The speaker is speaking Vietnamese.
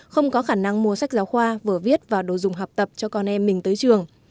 không có khả năng mua sách giáo khoa vừa viết và đồ dùng học tập cho con em mình tới trường